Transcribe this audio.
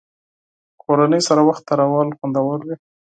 کورنۍ سره وخت تېرول خوندور وي.